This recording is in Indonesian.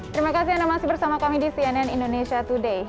terima kasih anda masih bersama kami di cnn indonesia today